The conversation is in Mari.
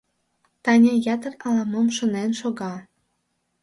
Таня ятыр ала-мом шонен шога.